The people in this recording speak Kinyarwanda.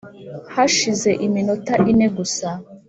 hashize iminota ine gusa